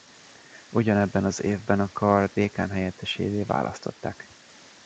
Ugyanebben az évben a kar dékánhelyettesévé választották.